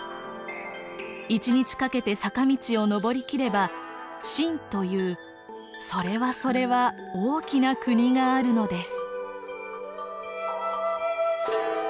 一日かけて坂道を登りきれば晋というそれはそれは大きな国があるのです。